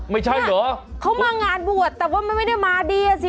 ไม่ใช่เหรอเขามางานบวชแต่ว่ามันไม่ได้มาดีอ่ะสิ